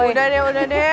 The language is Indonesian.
aduh udah deh udah deh